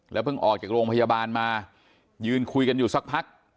เพิ่งออกจากโรงพยาบาลมายืนคุยกันอยู่สักพัก